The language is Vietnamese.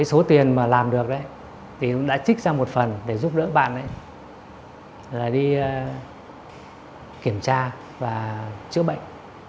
số tiền mà làm được tôi đã trích ra một phần để giúp đỡ bạn đi kiểm tra và chữa bệnh